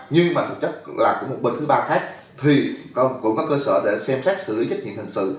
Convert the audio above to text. nhưng mà thực chất là của một bên thứ ba khác thì cũng có cơ sở để xem xét xử lý trách nhiệm hình sự